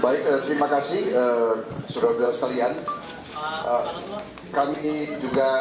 baik terima kasih sudah berhasil yang kami juga mengucapkan terima kasih